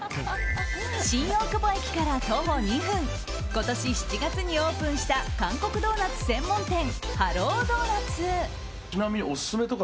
新大久保駅から徒歩２分今年７月にオープンした韓国ドーナツ専門店Ｈｅｌｌｏ！